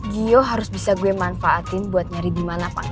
gio harus bisa gue manfaatin buat nyari di mana pak